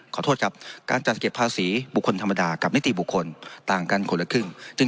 ขอโทษครับการจัดเก็บภาษีบุคคลธรรมดากับนิติบุคคลต่างกันคนละครึ่ง